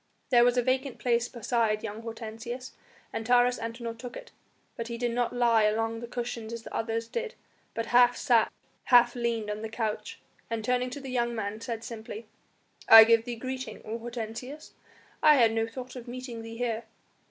There was a vacant place beside young Hortensius, and Taurus Antinor took it, but he did not lie along the cushions as the others did but half sat, half leaned on the couch, and turning to the young man said simply: "I give thee greeting, O Hortensius! I had no thought of meeting thee here."